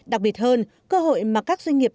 đặc biệt hơn cơ hội mà các doanh nghiệp